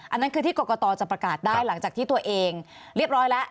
อันนั้นคือที่กรกตจะประกาศได้หลังจากที่ตัวเองเรียบร้อยแล้ว